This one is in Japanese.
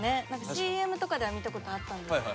ＣＭとかでは見たことあるんですけど。